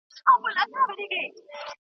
حافظه او ملي شعور کې ځینې شخصیتونه